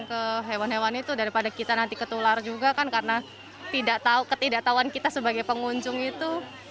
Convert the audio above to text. ke hewan hewan itu daripada kita nanti ketular juga kan karena ketidaktahuan kita sebagai pengunjung itu